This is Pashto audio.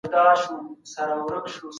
ازلي علم انسان ته نه دی ورکړل سوی.